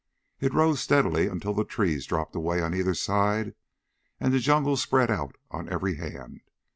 It rose steadily until the trees dropped away on either side and the jungle spread out on every hand.